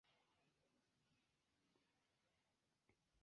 Tie mi sukcese finis kurson.